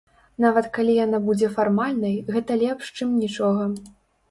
Нават калі яна будзе фармальнай, гэта лепш, чым нічога.